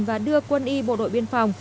và đưa quân y bộ đội biên phòng